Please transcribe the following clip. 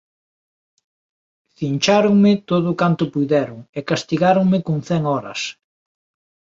Cincháronme todo canto puideron, e castigáronme con cen horas: